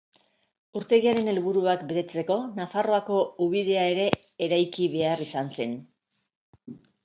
Urtegiaren helburuak betetzeko, Nafarroako ubidea ere eraiki behar izan zen.